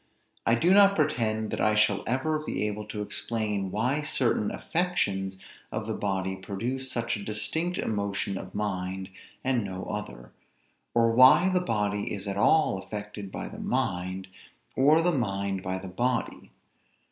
I do not pretend that I shall ever be able to explain why certain affections of the body produce such a distinct emotion of mind, and no other; or why the body is at all affected by the mind, or the mind by the body.